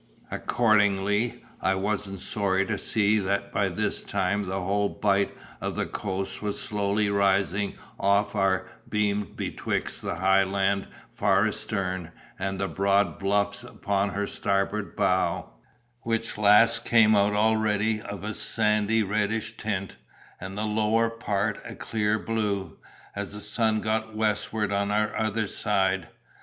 Accordingly, I wasn't sorry to see that by this time the whole bight of the coast was slowly rising off our beam betwixt the high land far astern and the broad bluffs upon her starboard bow; which last came out already of a sandy reddish tint, and the lower part of a clear blue, as the sun got westward on our other side.